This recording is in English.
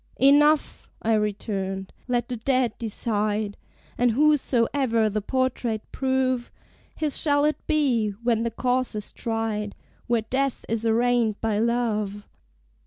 "Enough!" I returned, "let the dead decide: And whosesoever the portrait prove, His shall it be, when the cause is tried, Where Death is arraigned by Love."